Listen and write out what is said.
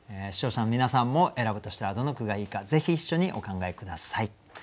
視聴者の皆さんも選ぶとしたらどの句がいいかぜひ一緒にお考え下さい。